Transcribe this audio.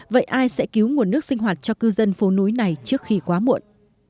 vậy ai sẽ cứu nguồn nước sinh hoạt cho cư dân phố núi này trước khi quá muộn